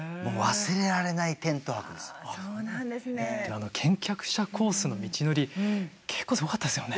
あの健脚者コースの道のり結構すごかったですよね。